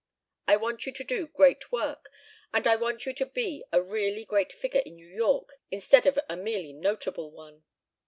I want you to do great work, and I want you to be a really great figure in New York instead of a merely notable one."